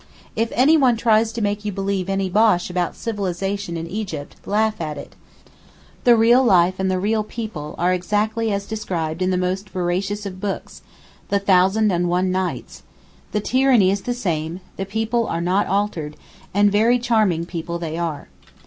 If anyone tries to make you believe any bosh about civilization in Egypt, laugh at it. The real life and the real people are exactly as described in the most veracious of books, the 'Thousand and One Nights'; the tyranny is the same, the people are not altered—and very charming people they are.